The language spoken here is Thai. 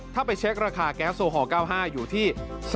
ถ้าไปเช็คราคาแก๊สโอฮอล๙๕อยู่ที่